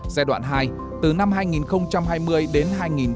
giai đoạn hai từ năm hai nghìn hai mươi đến hai nghìn hai mươi năm